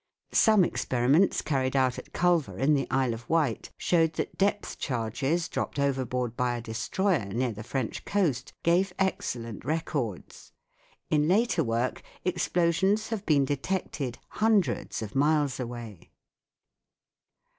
Some experiments carried out at Culver in the Isle of Wight showed that depth charges dropped overboard by a destroyer near the French coast gave excellent records. In later work explosions have been detected hundreds of miles away.